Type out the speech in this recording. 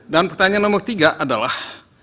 dan pertanyaan nomor tiga adalah